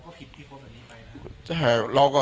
คิดที่โพสต์แบบนี้ไปนะครับ